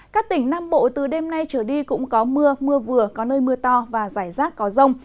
các tỉnh nam bộ từ đêm nay trở đi cũng có mưa mưa vừa có nơi mưa to và rải rác có rông